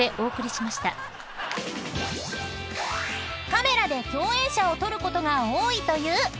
［カメラで共演者を撮ることが多いというおすず］